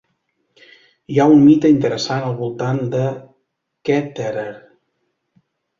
Hi ha un mite interessant al voltant de Ketterer.